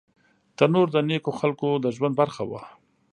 تنور د نیکو خلکو د ژوند برخه وه